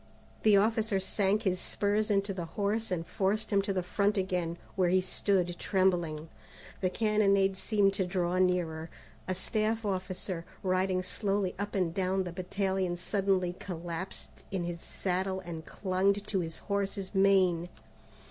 The officer sank his spurs into the horse and forced him to the front again, where he stood trembling. The cannonade seemed to draw nearer. A staff officer, riding slowly up and down the battalion suddenly collapsed in his saddle and clung to his horse's mane.